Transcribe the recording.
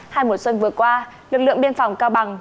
hai mùa xuân vừa qua lực lượng biên phòng cao bằng